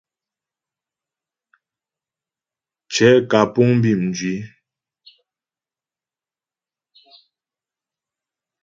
Cɛ̌ kǎ puŋ bí mjwǐ.